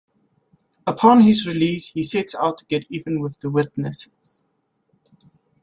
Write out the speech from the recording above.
Upon his release, he sets out to get even with the witnesses.